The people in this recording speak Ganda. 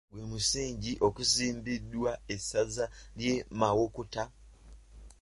Gwe musingi okuzimbiddwa essaza ly'e Mawokota.